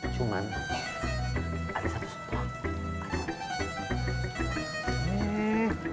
cuman ada satu stok